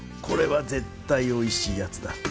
これは絶対おいしいやつだ。